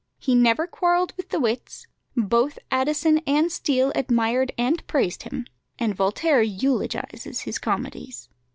He never quarrelled with the wits: both Addison and Steele admired and praised him, and Voltaire eulogises his comedies.